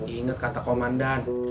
ingat kata komandan